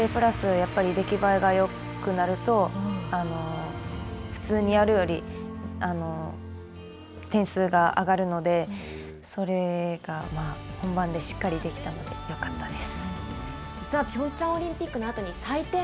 やっぱり出来栄えがよくなると普通にやるより点数が上がるのでそれが本番でしっかりできたのでよかったです。